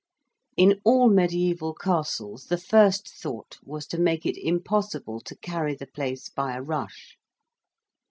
In all mediæval castles the first thought was to make it impossible to carry the place by a rush.